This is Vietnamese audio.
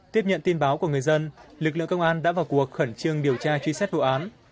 tiếp nhận tin báo của người dân lực lượng công an đã vào cuộc khẩn trương điều tra truy xét vụ án